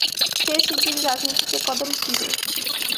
সে শিগগিরই রাজনীতিতে কদম দিবে।